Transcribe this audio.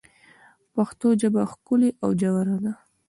پښتو ژبه ښکلي او ژوره ده.